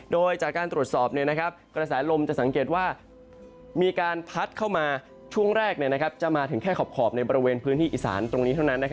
โดยจากการตรวจสอบกระแสลมจะสังเกตว่ามีการพัดเข้ามาช่วงแรกจะมาถึงแค่ขอบในบริเวณพื้นที่อีสานตรงนี้เท่านั้น